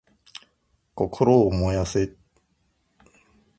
心を燃やせ！